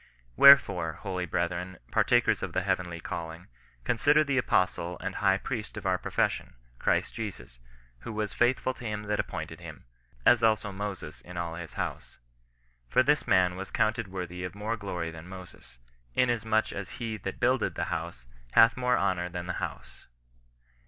Wherefore, holy brethren, par takers of the heavenly calling, consider the Apostle and High Priest of our profession, Christ Jesus; who was faithful to him that appointed him, as also Moses in all his house. For this man was counted worthy of more glory than Moses, inasmuch as he that builded the house hath more honour than the house."